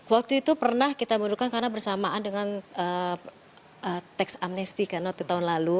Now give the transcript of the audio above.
waktu itu pernah kita mundurkan karena bersamaan dengan teks amnesty karena waktu tahun lalu